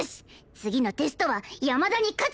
次のテストは山田に勝つ！